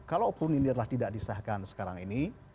kalaupun ini adalah tidak disahkan sekarang ini